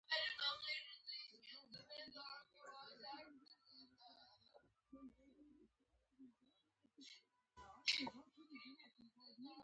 کله چې سلطان محمود غزنوي بخارا ونیوله.